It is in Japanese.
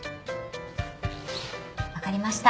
分かりました。